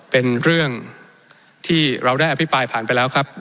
เป็นเรื่องที่เราได้อภิปรายผ่านไปแล้วครับ